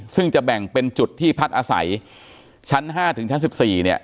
ซึ่งจะแบ่งเป็นจุดที่พักอาศัยชั้น๕ถึงชั้น๑๔เนี่ย